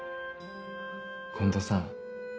近藤さん。